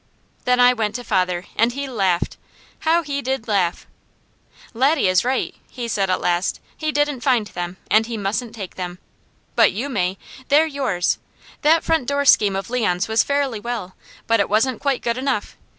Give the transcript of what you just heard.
Then I went to father and he laughed. How he did laugh! "Laddie is right!" he said at last. "He didn't find them, and he mustn't take them. But you may! They're yours! That front door scheme of Leon's was fairly well, but it wasn't quite good enough.